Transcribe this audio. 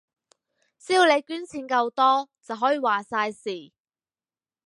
只要你捐錢夠多，就可以話晒事